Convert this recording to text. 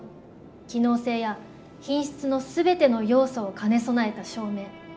機能性や品質の全ての要素を兼ね備えた照明。